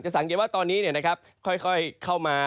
จะสังเกตว่าตอนนี้เนี่ยนะครับค่อยเข้ามา